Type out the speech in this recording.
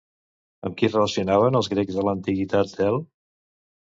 Amb qui relacionaven els grecs de l'antiguitat El?